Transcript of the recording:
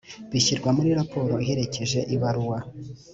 bishyirwa muri raporo iherekeje ibaruwa